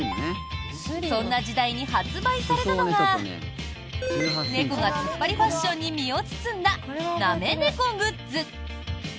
そんな時代に発売されたのが猫がツッパリファッションに身を包んだ、なめ猫グッズ。